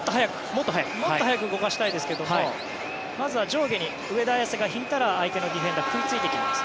もっと速く動かしたいですけどもまずは上下に上田綺世が引いたら相手のディフェンダーは食いついてきます。